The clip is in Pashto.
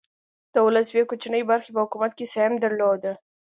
د ولس یوې کوچنۍ برخې په حکومت کې سهم درلود.